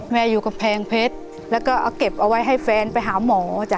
อยู่กำแพงเพชรแล้วก็เอาเก็บเอาไว้ให้แฟนไปหาหมอจ้ะ